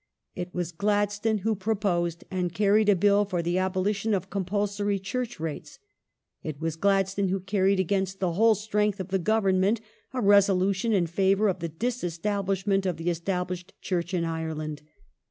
It was Gladstone who proposed and carried a Bill for the abolition of compulsory Church rates ; it was Gladstone who carried, against the whole strength of the Government, a resolution in favour of the disestablishment of the Established Church in Ireland.